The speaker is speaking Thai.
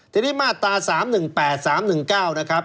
ทีนี้มาตรา๓๑๘๓๑๙นะครับ